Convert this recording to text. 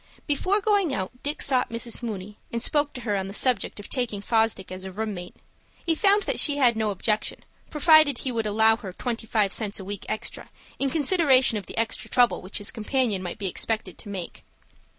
Before going out Dick sought Mrs. Mooney, and spoke to her on the subject of taking Fosdick as a room mate. He found that she had no objection, provided he would allow her twenty five cents a week extra, in consideration of the extra trouble which his companion might be expected to make.